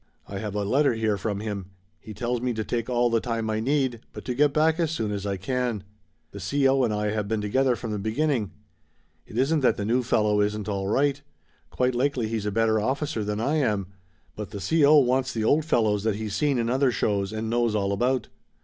I have a letter here from him. He tells me to take all the time I need, but to get back as soon as I can. The C.O. and I have been together from the beginning. It isn't that the new fellow isn't all right. Quite likely he's a better officer than I am, but the C.O. wants the old fellows that he's seen in other shows and knows all about.